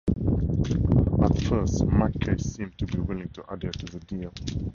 At first, MacKay seemed to be willing to adhere to the deal.